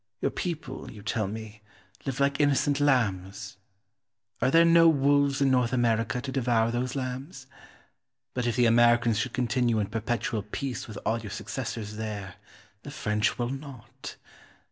Your people, you tell me, live like innocent lambs. Are there no wolves in North America to devour those lambs? But if the Americans should continue in perpetual peace with all your successors there, the French will not.